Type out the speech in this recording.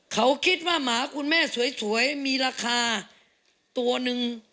เขาคิดว่าหมาคุณแม่สวยมีราคาตัวหนึ่ง